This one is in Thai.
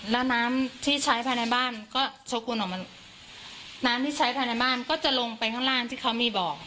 แล้วน้ำที่ใช้ภายในบ้านก็ชกวนออกมาน้ำที่ใช้ภายในบ้านก็จะลงไปข้างล่างที่เขามีบ่อ